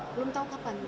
belum tahu kapan bu